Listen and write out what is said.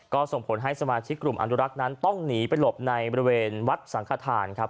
ก็ส่งผลให้สมาชิกกลุ่มอนุรักษ์นั้นต้องหนีไปหลบในบริเวณวัดสังขทานครับ